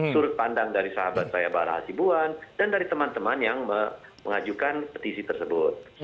sudut pandang dari sahabat saya barah asibuan dan dari teman teman yang mengajukan petisi tersebut